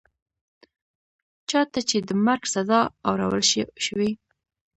چا ته چي د مرګ سزا اورول شوې